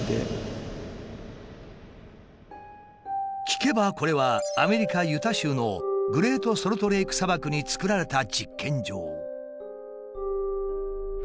聞けばこれはアメリカユタ州のグレートソルトレイク砂漠につくられた実験場。